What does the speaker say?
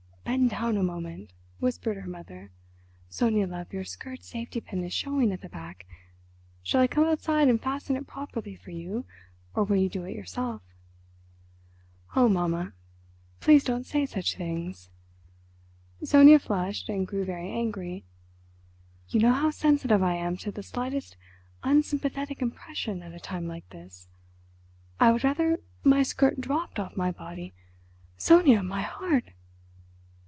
"Bend down a moment," whispered her mother. "Sonia, love, your skirt safety pin is showing at the back. Shall I come outside and fasten it properly for you, or will you do it yourself?" "Oh, mamma, please don't say such things," Sonia flushed and grew very angry. "You know how sensitive I am to the slightest unsympathetic impression at a time like this.... I would rather my skirt dropped off my body—" "Sonia—my heart!"